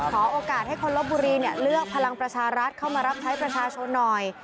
ขอโอกาสให้คนลบบุรีเลือกพลังประชารัฐเข้ามารับใช้ประชาชนหน่อย